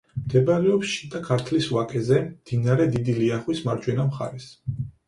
მდებარეობს შიდა ქართლის ვაკეზე, მდინარე დიდი ლიახვის მარჯვენა მხარეს.